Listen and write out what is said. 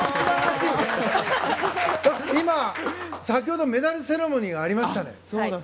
今、先ほどメダルセレモニーがありましたね。